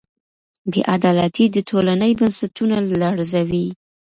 بې عدالتي د ټولني بنسټونه لړزوي.